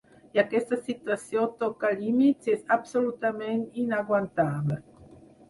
I aquesta situació toca límits i és absolutament inaguantable.